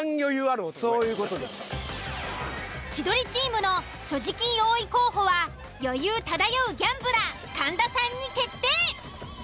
千鳥チームの所持金多い候補は余裕漂うギャンブラー神田さんに決定。